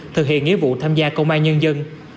thực hiện nghĩa vụ tham gia công an nhân dân